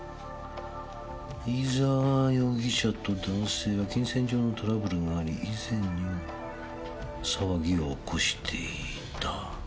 「飯沢容疑者と男性は金銭上のトラブルがあり以前にも騒ぎを起こしていた」。